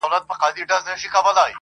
سل کلونه- زرکلونه- ډېر د وړاندي-